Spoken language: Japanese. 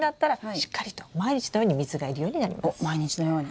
おっ毎日のように？